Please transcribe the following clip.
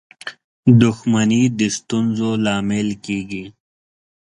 • دښمني د ستونزو لامل کېږي.